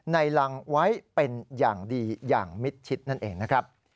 รังไว้เป็นอย่างดีอย่างมิดชิดนั่นเองนะครับ